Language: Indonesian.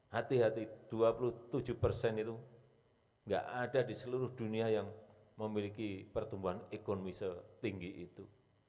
hati hati dua puluh tujuh persen itu tidak ada di seluruh dunia yang memiliki pertumbuhan ekonomi setinggi itu